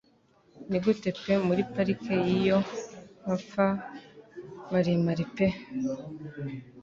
nigute pe muri parike yiyo mapfa maremare pe